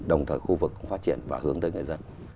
đồng thời khu vực cũng phát triển và hướng tới người dân